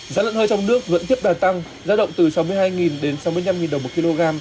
giá lợn hơi trong nước vẫn tiếp đà tăng giá động từ sáu mươi hai đến sáu mươi năm đồng một kg